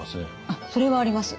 あっそれはあります。